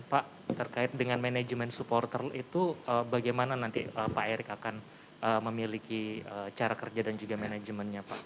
pak terkait dengan manajemen supporter itu bagaimana nanti pak erick akan memiliki cara kerja dan juga manajemennya pak